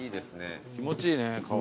気持ちいいね川。